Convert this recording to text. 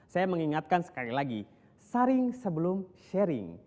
saya mengingatkan sekali lagi saring sebelum sharing